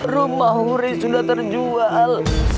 rumah huri sudah terjual